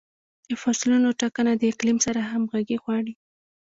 د فصلونو ټاکنه د اقلیم سره همغږي غواړي.